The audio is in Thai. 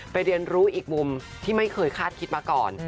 เรียนรู้อีกมุมที่ไม่เคยคาดคิดมาก่อน